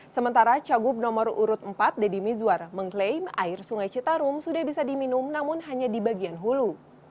sementara cagup nomor urut empat deddy mizwar mengklaim air sungai citarum sudah bisa diminum namun hanya di bagian hulu